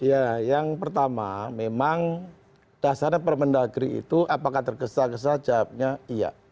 ya yang pertama memang dasarnya permendagri itu apakah tergesa gesa jawabnya iya